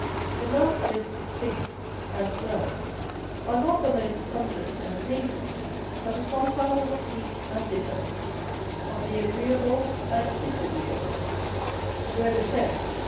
The nastiest tastes and smells are not the most pungent and painful, but a compound of sweet and bitter, of the agreeable and disagreeable ; where the sense, having again.